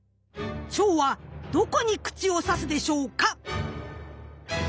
チョウはどこに口を挿すでしょうか？